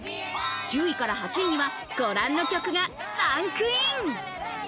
１０位から８位には、ご覧の曲がランクイン。